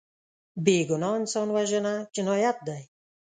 بېګناه انسان وژنه جنایت دی